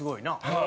はい。